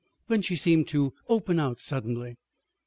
Then she seemed to open out suddenly.